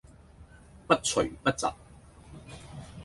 不徐不疾